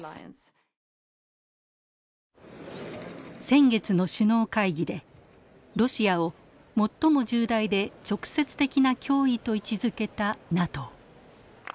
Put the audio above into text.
先月の首脳会議でロシアを「最も重大で直接的な脅威」と位置づけたＮＡＴＯ。